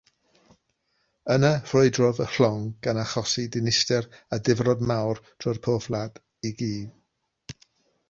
Yna ffrwydrodd y llong, gan achosi dinistr a difrod mawr drwy'r porthladd i gyd.